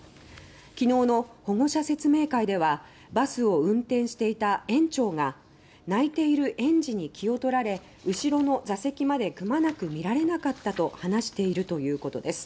きのうの保護者説明会ではバスを運転していた園長が「泣いている園児に気を取られ後ろの座席までくまなく見られなかった」と話しているということです。